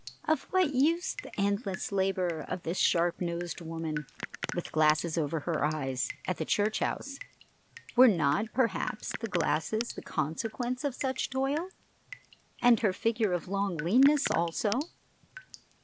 Of what use the endless labor of this sharp nosed woman, with glasses over her eyes, at the church house? Were not, perhaps, the glasses the consequence of such toil? And her figure of a long leanness also?